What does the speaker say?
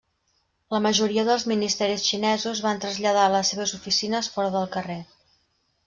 La majoria dels ministeris xinesos van traslladar les seves oficines fora del carrer.